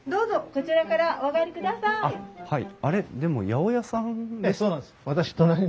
こちらからお上がりください。